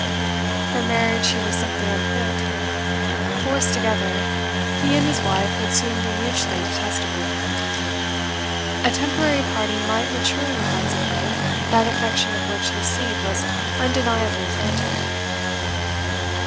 For marriage he was simply unfit; forced together, he and his wife would soon be mutually detestable. A temporary parting might mature in the hearts of both that affection of which the seed was undeniably planted.